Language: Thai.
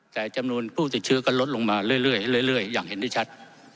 แต่จำนวนผู้ติดเชื้อก็ลดลงมาเรื่อยอย่างเห็นได้ชัด